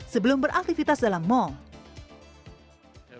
sebelum beraktivitas dalam mall